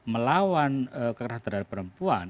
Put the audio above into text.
melawan kekerasan terhadap perempuan